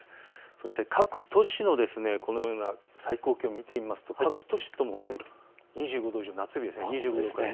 そして各都市の最高気温、見ていきますと各都市とも２５度以上、夏日です。